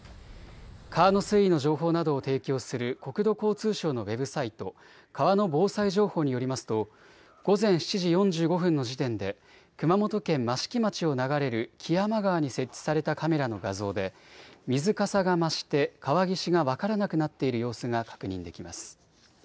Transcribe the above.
川の水位の情報などを提供する国土交通省のウェブサイト、川の防災情報によりますと午前７時４５分の時点で熊本県益城町を流れる木山川に設置されたカメラの画像で水かさが増して川岸が分からなくなっている様子が確認できます。